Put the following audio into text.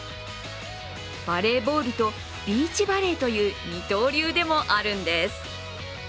バレーボールとビーチバレーという二刀流でもあるんです。